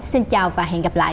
xin chào và hẹn gặp lại